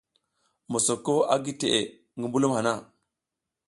Mosoko a gi teʼe ngi mbulum hana.